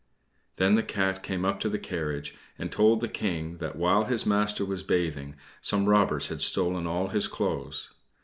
Then the Cat came up to the carriage and told the King that while his master was bathing some robbers had stolen all his clothes.